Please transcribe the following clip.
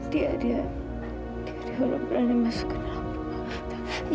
dia dia dia diorang berangnya masuk ke dalam rumah